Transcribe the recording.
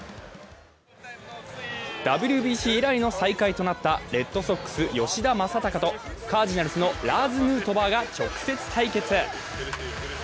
ＷＢＣ以来の再会となったレッドソックス・吉田正尚と、カージナルスのラーズ・ヌートバーが直接対決。